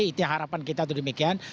itu harapan kita itu demikian